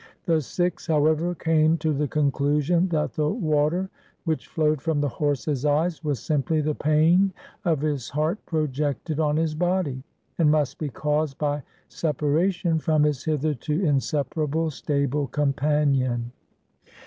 The Sikhs, however, came to the conclusion that the water which flowed from the horse's eyes was simply the pain of his heart pro jected on his body : and must be caused by separation from his hitherto inseparable stable companion.